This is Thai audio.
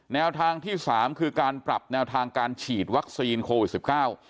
แนวทางที่๓คือการปรับแนวทางการฉีดวัคซีนโควิด๑๙